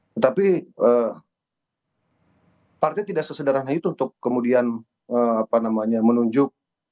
tetapi partai tidak sesederhana itu untuk kemudian menunjuk